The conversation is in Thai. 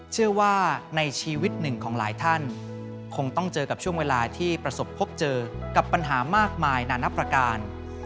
เชื่อว่าในชีวิตหนึ่งของหลายท่านคงต้องเจอกับช่วงเวลาที่ประสบพบเจอกับปัญหามากมายนานับประการ